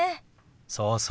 そうそう。